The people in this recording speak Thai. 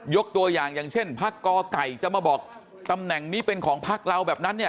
ตัวอย่างอย่างเช่นพักกไก่จะมาบอกตำแหน่งนี้เป็นของพักเราแบบนั้นเนี่ย